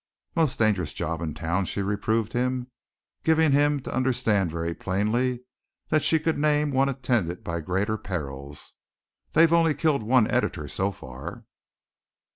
"Most dangerous job in town!" she reproved him, giving him to understand very plainly that she could name one attended by greater perils. "They've only killed one editor, so far."